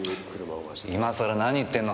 今さら何言ってんの。